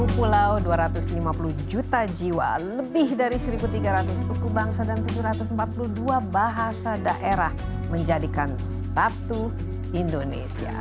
sepuluh pulau dua ratus lima puluh juta jiwa lebih dari satu tiga ratus suku bangsa dan tujuh ratus empat puluh dua bahasa daerah menjadikan satu indonesia